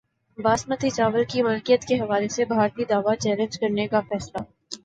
باسمتی چاول کی ملکیت کے حوالے سے بھارتی دعوی چیلنج کرنے کا فیصلہ